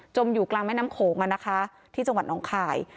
จมอยู่กลางแม่น้ำโขงกันนะคะที่จังหวัดหนองคาย